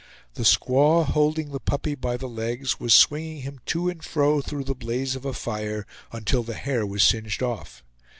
The squaw, holding the puppy by the legs, was swinging him to and fro through the blaze of a fire, until the hair was singed off.